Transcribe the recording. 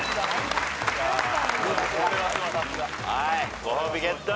はいご褒美ゲット。